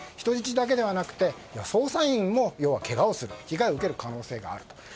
人質だけではなくて捜査員もけがをする被害を受ける可能性があると。